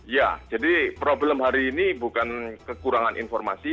ya jadi problem hari ini bukan kekurangan informasi